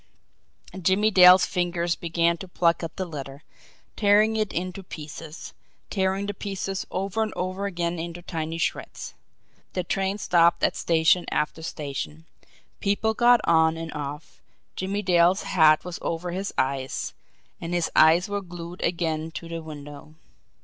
Jimmie Dale's fingers began to pluck at the letter, tearing it into pieces, tearing the pieces over and over again into tiny shreds. The train stopped at station after station, people got on and off Jimmie Dale's hat was over his eyes, and his eyes were glued again to the window.